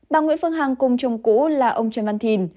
bà nguyễn phương hằng cùng chồng cũ là ông trần văn thìn